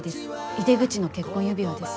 井手口の結婚指輪です。